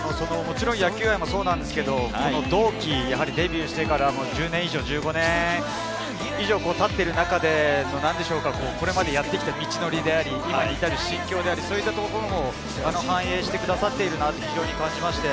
野球愛もそうですけれど、同期デビューしてから１０年、１５年以上、経っている中で、これまでやってきた道のりであり、心境であり、そういったところも反映してくださっていると感じました。